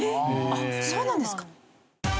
あっそうなんですか。